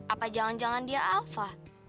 apa jangan jangan dia alfa